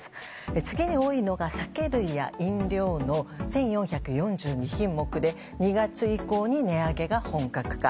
次に多いのが酒類や飲料の１４４２品目で２月以降に値上げが本格化。